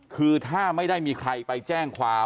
คือถ้าไม่ได้มีใครไปแจ้งความ